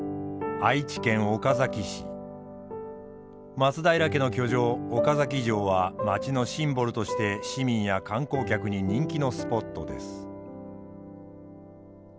松平家の居城岡崎城は街のシンボルとして市民や観光客に人気のスポットです。